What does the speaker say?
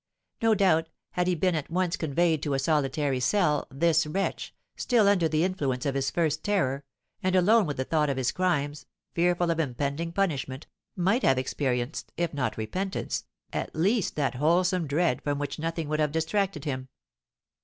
No doubt, had he been at once conveyed to a solitary cell, this wretch, still under the influence of his first terror, and alone with the thought of his crimes, fearful of impending punishment, might have experienced, if not repentance, at least that wholesome dread from which nothing would have distracted him.